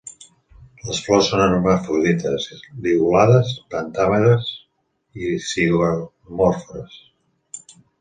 Les flors són hermafrodites, ligulades, pentàmeres i zigomorfes.